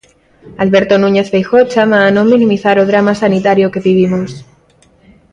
Alberto Núñez Feijóo chama a non minimizar o drama sanitario que vivimos.